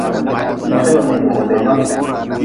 Ma daba miigi weelee.